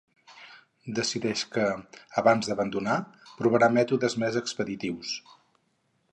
Decideix que, abans d'abandonar, provarà mètodes més expeditius.